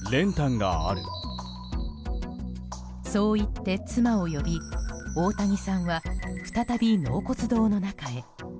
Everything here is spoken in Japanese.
そういって妻を呼び大谷さんは再び納骨堂の中へ。